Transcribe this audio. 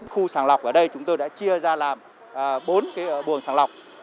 khu sàng lọc ở đây chúng tôi đã chia ra làm bốn buồng sàng lọc